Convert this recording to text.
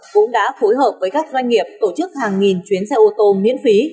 cũng đã phối hợp với các doanh nghiệp tổ chức hàng nghìn chuyến xe ô tô miễn phí